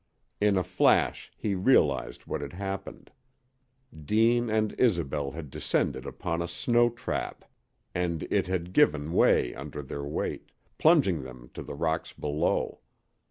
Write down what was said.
In a flash he realized what had happened. Deane and Isobel had descended upon a "snow trap," and it had given way under their weight, plunging them to the rocks below.